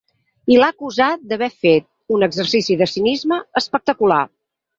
I l’ha acusat d’haver fet ‘un exercici de cinisme espectacular’.